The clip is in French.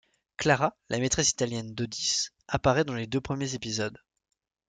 Clara, la maîtresse italienne d'Odys, apparaît dans les deux premiers épisodes.